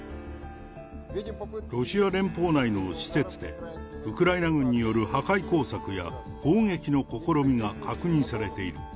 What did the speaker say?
ロシア連邦内の施設で、ウクライナ軍による破壊工作や、攻撃の試みが確認されている。